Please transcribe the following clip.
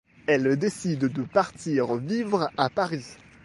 Elle décide de partir vivre à Paris.